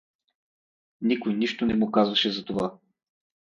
Никой нищо не му казваше за това.